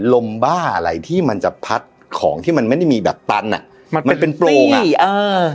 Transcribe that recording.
บ้าอะไรที่มันจะพัดของที่มันไม่ได้มีแบบตันอ่ะมันมันเป็นโปรงอ่ะเออ